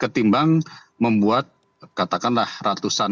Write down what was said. ketimbang membuat katakanlah ratusan